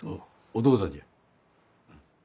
お「お父さん」じゃ。